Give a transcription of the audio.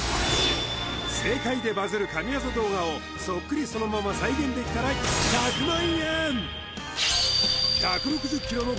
世界でバズる神業動画をそっくりそのまま再現できたら１００万円！